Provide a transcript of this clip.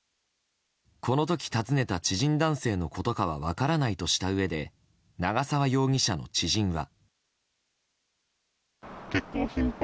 この時訪ねた知人男性のことかは分からないとしたうえで長沢容疑者の知人は。